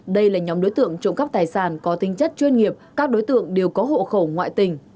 đây là nhóm đối tượng trộm cắp tài sản có tinh chất chuyên nghiệp các đối tượng đều có hộ khẩu ngoại tình